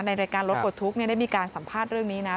รายการรถปลดทุกข์ได้มีการสัมภาษณ์เรื่องนี้นะ